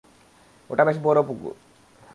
ওটা বেশ বড় কুকুর।